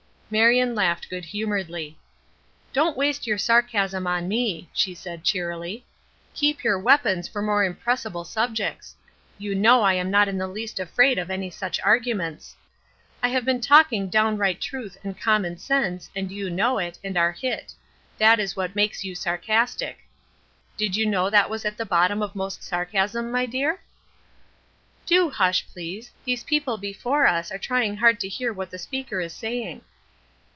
Marion laughed good humoredly. "Don't waste your sarcasm on me," she said, cheerily; "keep your weapons for more impressible subjects. You know I am not in the least afraid of any such arguments. I have been talking downright truth and common sense, and you know it, and are hit; that is what makes you sarcastic. Did you know that was at the bottom of most sarcasm, my dear?" "Do hush, please. These people before us are trying hard to hear what the speaker is saying."